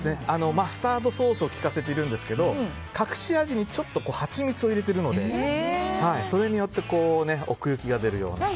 マスタードソースを利かせているんですが隠し味にハチミツを入れているのでそれによって奥ゆきが出るような。